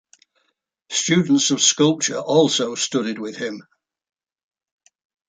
Students of sculpture also studied with him.